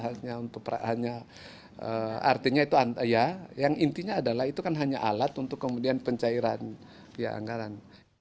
artinya itu ya yang intinya adalah itu kan hanya alat untuk kemudian pencairan pihak anggaran